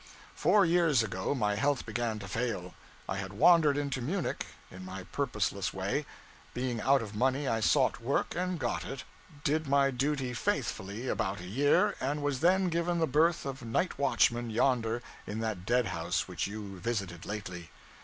Four years ago, my health began to fail. I had wandered into Munich, in my purposeless way. Being out of money, I sought work, and got it; did my duty faithfully about a year, and was then given the berth of night watchman yonder in that dead house which you visited lately.